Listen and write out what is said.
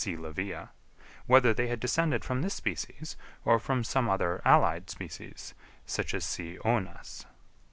livia, whether they had descended from this species or from some other allied species, such as C. oenas.